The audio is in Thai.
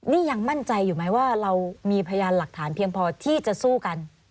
นี่ยังมั่นใจอยู่ไหมว่าเรามีพยานหลักฐานเพียงพอที่จะสู้กัน